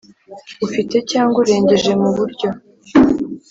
Ufite cyangwa urengeje mu buryo